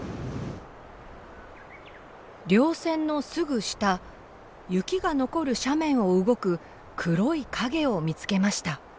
稜線のすぐ下雪が残る斜面を動く黒い影を見つけました。